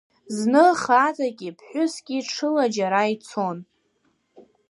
Зны хаҵаки ԥҳәыски ҽыла џьара ицон.